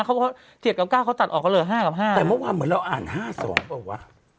เขาเจียดกับเก้าเขาจัดออกก็เลยห้ากับห้าแต่เมื่อวานเหมือนเราอ่านห้าสองเปล่าวะ